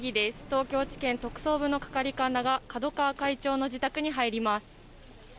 東京地検特捜部の係官らが角川会長の自宅に入ります。